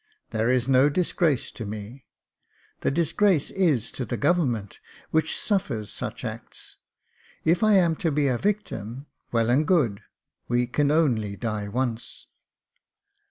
There is no disgrace to me ; the disgrace is to the government, which suffers such acts. If I am to be a victim, well and good — we can only die once."